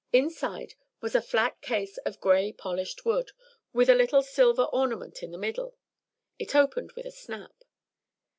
Inside was a flat case of gray polished wood, with a little silver ornament in the middle. It opened with a snap.